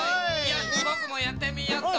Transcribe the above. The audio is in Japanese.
よしぼくもやってみよっと。